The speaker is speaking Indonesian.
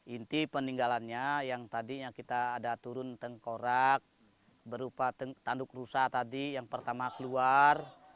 inti peninggalannya yang tadinya kita ada turun tengkorak berupa tanduk rusa tadi yang pertama keluar